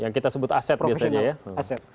yang kita sebut aset biasanya ya